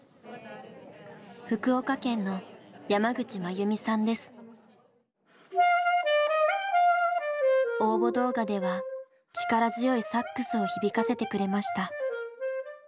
福岡県の応募動画では力強いサックスを響かせてくれました。